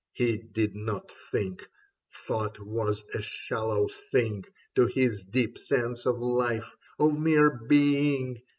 He did not think ; thought was a shallow thing To his deep sense of life, of mere being.